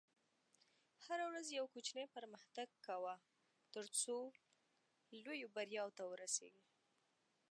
هره ورځ یو کوچنی پرمختګ کوه، ترڅو لویو بریاوو ته ورسېږې.